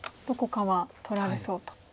どこかは取られそうと。